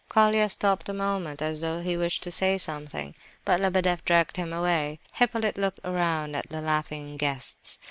Colia stopped a moment as though he wished to say something; but Lebedeff dragged him away. Hippolyte looked around at the laughing guests.